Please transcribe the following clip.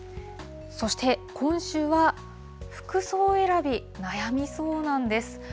そして、今週は服装選び、悩みそうなんです。